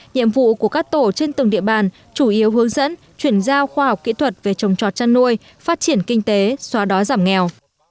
nhiệm vụ của các tổ trên từng địa bàn chủ yếu hướng dẫn chuyển giao khoa học kỹ thuật về trồng trọt chăn nuôi phát triển kinh tế xóa đói giảm nghèo